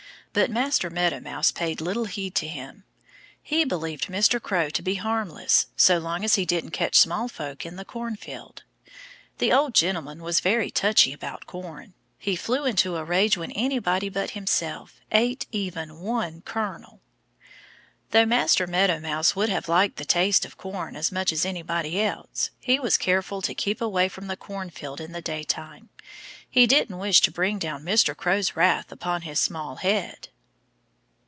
But Master Meadow Mouse paid little heed to him. He believed Mr. Crow to be harmless, so long as he didn't catch small folk in the cornfield. The old gentleman was very touchy about corn. He flew into a rage when anybody but himself ate even one kernel. Though Master Meadow Mouse would have liked a taste of corn as much as anybody else, he was careful to keep away from the cornfield in the daytime. He didn't wish to bring down Mr. Crow's wrath upon his small head.